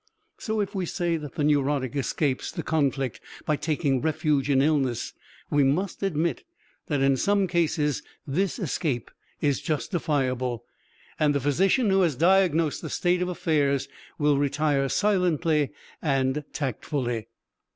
So if we say that the neurotic escapes the conflict by taking refuge in illness, we must admit that in some cases this escape is justifiable, and the physician who has diagnosed the state of affairs will retire silently and tactfully.